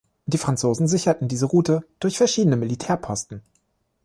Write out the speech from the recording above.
Die Franzosen sicherten diese Route durch verschiedene Militärposten.